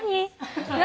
何？